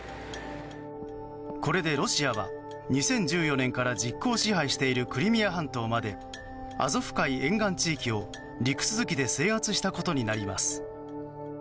これでロシアは２０１４年から実効支配しているクリミア半島までアゾフ海沿岸地域を陸続きで制圧したことになります。